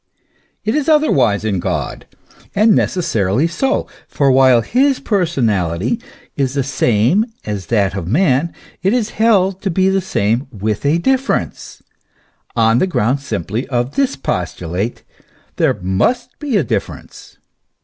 It is otherwise in God, and necessarily so ; for while his personality is the same as that of man, it is held to be the same with a difference, on the ground simply of this postulate : there mmt be a difference.